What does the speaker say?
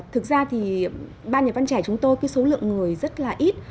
thực ra thì ban nhà văn trẻ chúng tôi cái số lượng người rất là ít